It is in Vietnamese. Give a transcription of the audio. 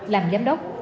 làm giám đốc